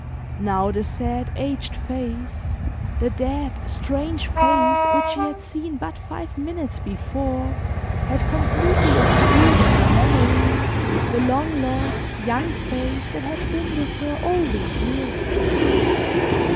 Now the sad, aged face, the dead, strange face which she had seen but five minutes before, had completely obscured in her memory the long loved, young face that had been with her all these years.